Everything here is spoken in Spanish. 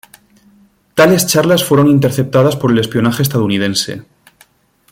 Tales charlas fueron interceptadas por el espionaje estadounidense.